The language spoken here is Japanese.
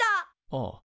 ああ。